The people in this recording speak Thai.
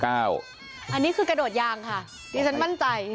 อันนี้คือกระโดดยางค่ะดิฉันมั่นใจ